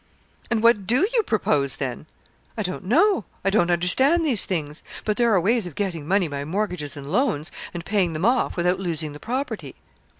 'And what do you propose, then?' 'I don't know. I don't understand these things. But there are ways of getting money by mortgages and loans, and paying them off, without losing the property.'